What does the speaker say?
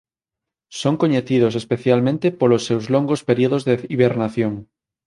Son coñecidos especialmente polos seus longos períodos de hibernación.